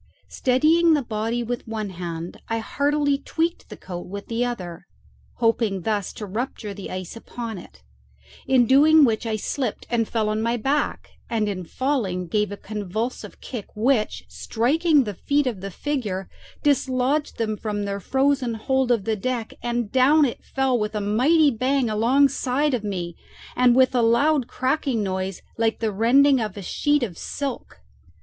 Steadying the body with one hand, I heartily tweaked the coat with the other, hoping thus to rupture the ice upon it; in doing which I slipped and fell on my back, and in falling gave a convulsive kick which, striking the feet of the figure, dislodged them from their frozen hold of the deck, and down it fell with a mighty bang alongside of me, and with a loud crackling noise, like the rending of a sheet of silk.